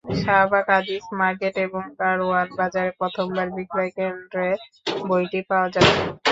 Shahbag Aziz market এবং কারওয়ান বাজারে প্রথমার বিক্রয়কেন্দ্রে বইটি পাওয়া যাচ্ছে।